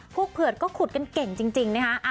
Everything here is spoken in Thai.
เผือกก็ขุดกันเก่งจริงนะคะ